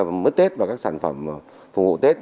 phục vụ tết mứt tết và các sản phẩm phục vụ tết